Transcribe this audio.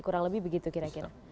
kurang lebih begitu kira kira